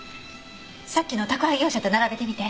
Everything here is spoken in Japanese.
さっきの宅配業者と並べてみて。